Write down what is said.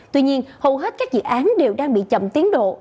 tuy nhiên hầu hết các dự án đều đang bị chậm tiến độ